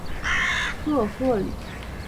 特赫里。